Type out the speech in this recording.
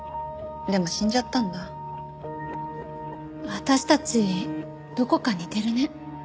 私たちどこか似てるね。